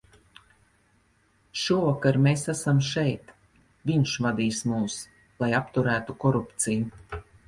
Šovakar mēs esam šeit, viņš vadīs mūs, lai apturētu korupciju.